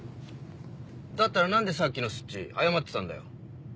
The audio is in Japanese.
だったら何でさっきのスッチー謝ってたんだよ？